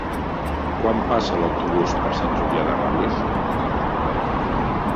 Quan passa l'autobús per Sant Julià de Ramis?